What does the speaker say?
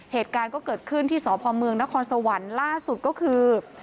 เหตุการณ์ก็เกิดขึ้นที่สพเมืองนครสวรรค์ล่าสุดก็คือ